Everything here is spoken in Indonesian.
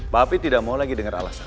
papi tidak mau lagi denger alasan